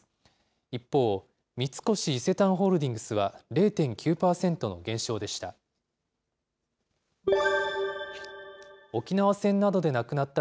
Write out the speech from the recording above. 一方、三越伊勢丹ホールディングスは０．９％の減少でした。